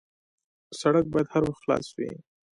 سړک باید هر وخت خلاص وي.